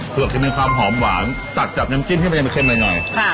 เผือกที่มีความหอมหวานตัดจากน้ำจิ้มที่มันยังเป็นเค็มหน่อย